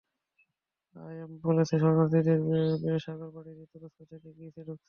IOM বলছে, শরণার্থীদের বেশির ভাগই সাগর পাড়ি দিয়ে তুরস্ক থেকে গ্রিসে ঢুকেছে।